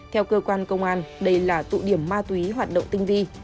theo cơ quan công an đây là tụ điểm ma túy hoạt động tinh vi